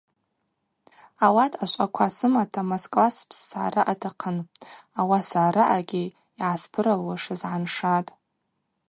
Ауат ашвъаква сымата Москва спссгӏара атахъын, ауаса араъагьи йгӏаспырасуашыз гӏаншатӏ.